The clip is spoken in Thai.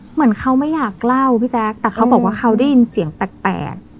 เหมือนเขาไม่อยากเล่าพี่แจ๊คแต่เขาบอกว่าเขาได้ยินเสียงแปลกแปลก